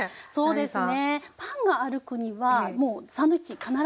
そうです。